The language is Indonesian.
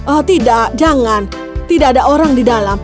oh tidak jangan tidak ada orang di dalam